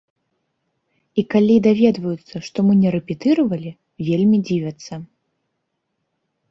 І калі даведваюцца, што мы не рэпетыравалі, вельмі дзівяцца.